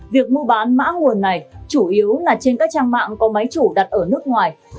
việc mua bán mã nguồn này chủ yếu là trên các trang mạng có máy chủ đặt ở nước ngoài